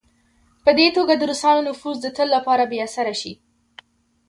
په دې توګه د روسانو نفوذ د تل لپاره بې اثره شي.